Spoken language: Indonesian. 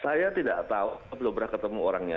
saya tidak tahu belum pernah ketemu orangnya